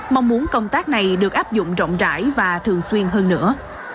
mong muốn công tác này được áp dụng rộng rãi và thường xuyên hơn nữa